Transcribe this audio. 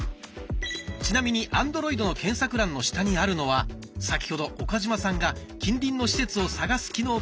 ちなみにアンドロイドの検索欄の下にあるのは先ほど岡嶋さんが近隣の施設を探す機能として紹介しました。